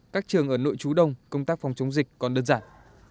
các trường ở nội chú đông công tác phòng chống dịch còn đơn giản